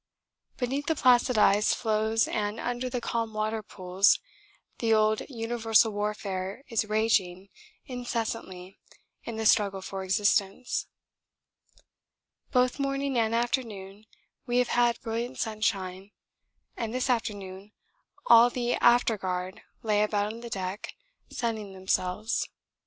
Beneath the placid ice floes and under the calm water pools the old universal warfare is raging incessantly in the struggle for existence. Both morning and afternoon we have had brilliant sunshine, and this afternoon all the after guard lay about on the deck sunning themselves.